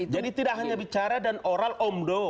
jadi tidak hanya bicara dan oral omdo